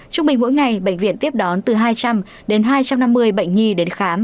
trung bình mỗi ngày bệnh viện tiếp đón từ hai trăm linh đến hai trăm năm mươi bệnh nhi đến khám